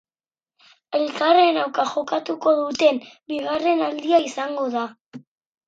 Elkarren aurka jokatuko duten bigarren aldia izango da.